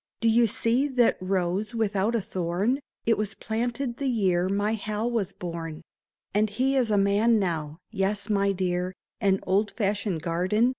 Do you see that rose without a thorn ? It was planted the year my Hal was born. AN OLD FASHIONED GARDEN 379 And he is a man now. Yes, my dear, An old fashioned garden